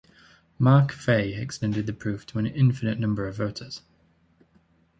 Mark Fey extended the proof to an infinite number of voters.